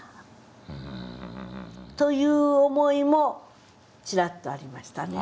という思いもちらっとありましたね。